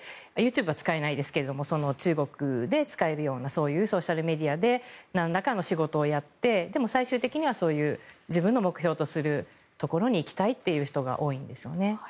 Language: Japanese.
ＹｏｕＴｕｂｅは使えないですけど中国で使えるようなそういうソーシャルメディアでなんらかの仕事をやってでも最終的にはそういう自分の目標とするところに行きたいっていう人が多いんですよね。